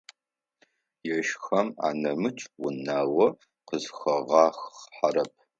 Ежьхэм анэмыкӏ унагъо къызхагъахьэрэп.